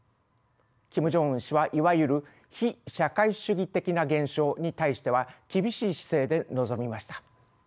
キム・ジョンウン氏はいわゆる非社会主義的な現象に対しては厳しい姿勢で臨みました。